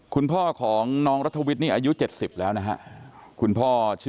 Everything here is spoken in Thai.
ครูพ่อของน้องรัฐวิชนี่อายุ๗๐แล้วนะฮะ